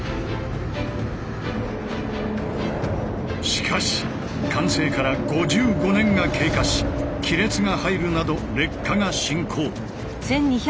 しかし完成から５５年が経過し亀裂が入るなど劣化が進行。